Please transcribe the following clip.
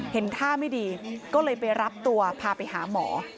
เห็นท่าไม่ดีก็เลยไปรับตัวพาไปหาหมอ